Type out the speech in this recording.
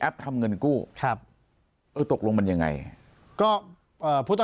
ปากกับภาคภูมิ